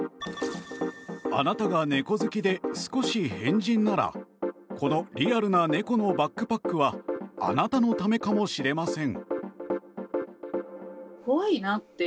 あなたが猫好きで少し変人ならこのリアルな猫のバックパックはあなたのためかもしれません！